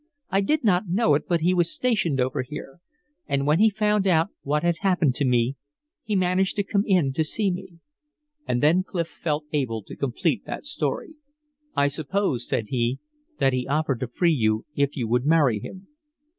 I did not know it, but he was stationed over here. And when he found out what had happened to me he managed to come in to see me." And then Clif felt able to complete that story. "I suppose," said he, "that he offered to free you if you would marry him."